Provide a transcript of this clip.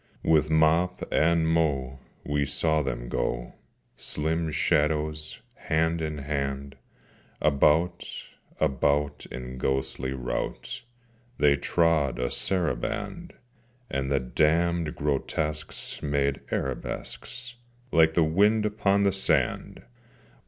With mop and mow, we saw them go, Slim shadows hand in hand: About, about, in ghostly rout They trod a saraband: And the damned grotesques made arabesques, Like the wind upon the sand!